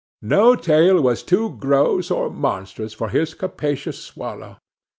No tale was too gross or monstrous for his capacious swallow.